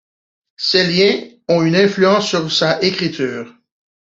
Ces liens ont une influence sur sa écriture.